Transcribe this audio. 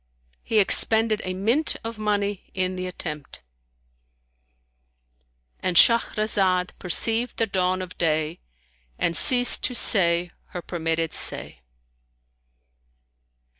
He expended a mint of money in the attempt,—And Shahrazad perceived the dawn of day and ceased to say her permitted say.